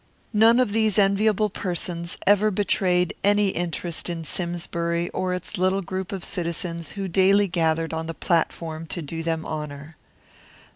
Not one of these enviable persons ever betrayed any interest in Simsbury or its little group of citizens who daily gathered on the platform to do them honour.